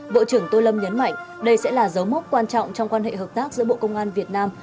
bộ trưởng tô lâm nhấn mạnh đây sẽ là dấu mốc quan trọng trong quan hệ hợp tác giữa bộ công an việt nam